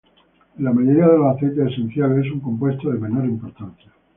En la mayoría de los aceites esenciales, es un compuesto de menor importancia.